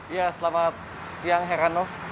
ya selamat siang heranov